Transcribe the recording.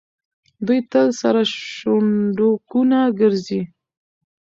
دوی تل سره شونډکونه ګرځي.